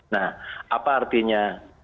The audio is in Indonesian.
nah apa artinya